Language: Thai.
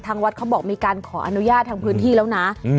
วัดเขาบอกมีการขออนุญาตทางพื้นที่แล้วนะ